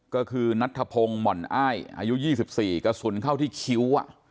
ก็คือนัทธพงศ์หม่อนอ้ายอายุ๒๔กระสุนเข้าที่คิ้ว